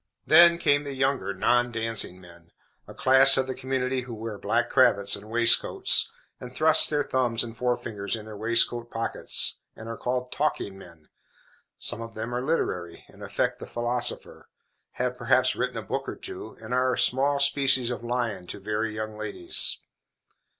Then came the younger non dancing men a class of the community who wear black cravats and waistcoats, and thrust their thumbs and forefingers in their waistcoat pockets, and are called "talking men." Some of them are literary, and affect the philosopher; have, perhaps, written a book or two, and are a small species of lion to very young ladies.